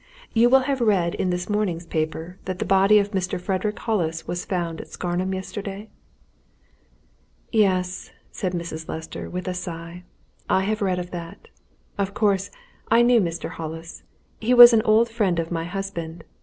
You will have read in this morning's paper that the body of Mr. Frederick Hollis was found at Scarnham yesterday?" "Yes," said Mrs. Lester, with a sigh. "I have read of that. Of course, I knew Mr. Hollis he was an old friend of my husband.